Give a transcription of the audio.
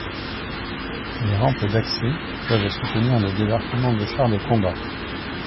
Les rampes d'accès peuvent soutenir le débarquement de chars de combat.